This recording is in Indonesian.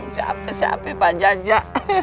siapa siapa pak jajak